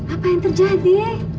apa yang terjadi